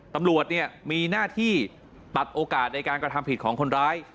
ตำรวจมีหน้าที่ตัดโอกาสในการกระทำผิดของคนร้าย